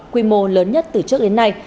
quy mô lớn nhất từ trước đến nay